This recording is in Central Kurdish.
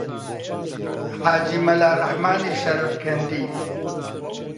حاجی مەلا ڕەحمانی شەرەفکەندی: